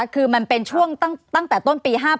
คือมันเป็นช่วงตั้งแต่ต้นปี๕๘